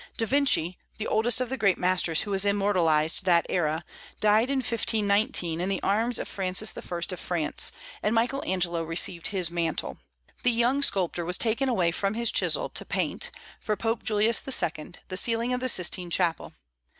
Da Vinci, the oldest of the great masters who immortalized that era, died in 1519, in the arms of Francis I. of France, and Michael Angelo received his mantle. The young sculptor was taken away from his chisel to paint, for Pope Julius II., the ceiling of the Sistine Chapel.